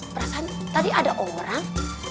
perasaan tadi ada orang